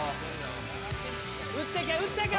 打ってけ打ってけ！